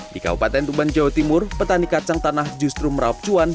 di kabupaten tuban jawa timur petani kacang tanah justru meraup cuan